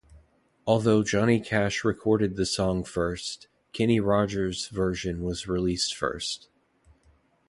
Although Johnny Cash recorded the song first, Kenny Rogers's version was released first.